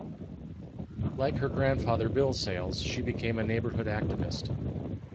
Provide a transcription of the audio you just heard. Like her grandfather Bill Sayles, she became a neighborhood activist.